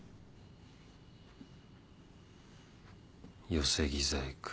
寄せ木細工